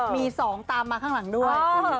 มี๒ตามมาข้างหลังด้วย